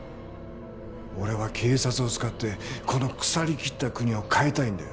俺は警察を使ってこの腐りきった国を変えたいんだよ。